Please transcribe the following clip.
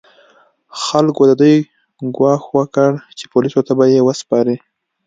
خلکو د دوی ګواښ وکړ چې پولیسو ته به یې وسپاري.